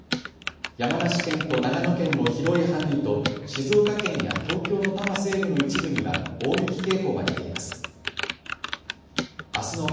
山梨県と長野県の広い範囲と静岡県や東京の多摩西部の一部には大雪警報が出ています。